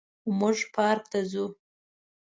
موږ پارک ته ځو